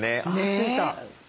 ついた！